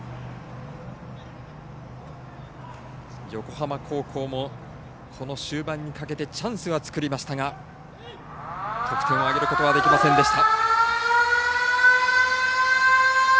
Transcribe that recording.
横浜高校も、この終盤にかけてチャンスは作りましたが得点を挙げることはできませんでした。